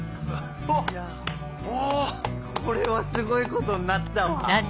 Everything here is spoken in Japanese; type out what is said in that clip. これはすごいことになったわ。